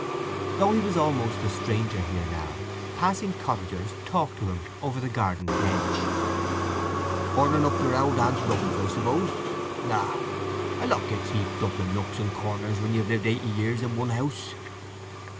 Though he was almost a stranger here now, passing cottagers talked to him over the garden hedge. "Burning up your awld aunt's rubbidge, I suppose? Ay; a lot gets heaped up in nooks and corners when you've lived eighty years in one house."